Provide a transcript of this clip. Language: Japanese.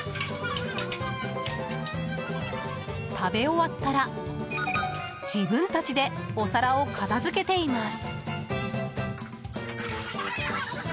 食べ終わったら自分たちでお皿を片付けています。